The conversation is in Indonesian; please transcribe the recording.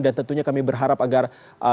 dan tentunya kami berharap agar